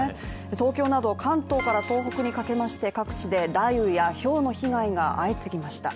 東京など関東から東北にかけまして各地で雷雨やひょうの被害が相次ぎました。